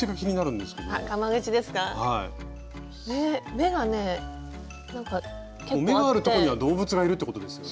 目があるとこには動物がいるってことですよね？